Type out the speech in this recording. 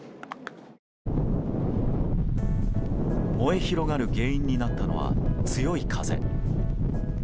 燃え広がる原因になったのは強い風。